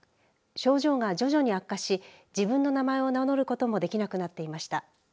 症状が徐々に悪化し自分の名前を名乗ることもできなくなっていました。